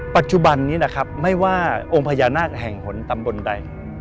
ปัจจุบันนี้นะครับไม่ว่าองค์พญานาคแห่งหนตำบลใด